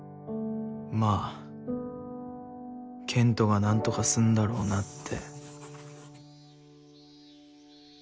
まあ健斗が何とかすんだろうなって。